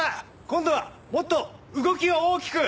今度はもっと動きを大きく！